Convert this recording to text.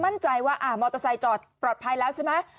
มั่นใจว่ามอเตอร์ไซค์จอดปลอดภัยแล้วใช่ไหม